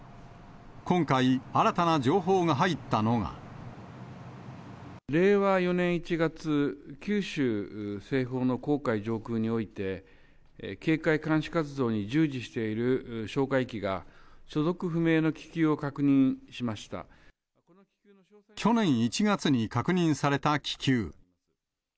今回、令和４年１月、九州西方の公海上空において、警戒監視活動に従事している哨戒機が所属不明の気球を確認しまし去年１月に確認された気球。